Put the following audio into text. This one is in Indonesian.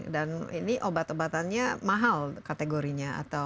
dan ini obat obatannya mahal kategorinya atau